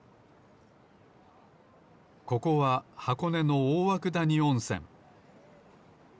ここははこねのおおわくだにおんせん。